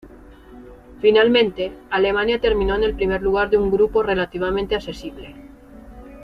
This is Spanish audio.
Finalmente, Alemania terminó en el primer lugar de un grupo relativamente accesible.